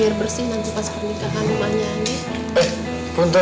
biar bersih nanti pas pernikahan rumahnya